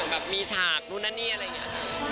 แบบมีฉากนู่นนั่นนี่อะไรอย่างนี้ค่ะ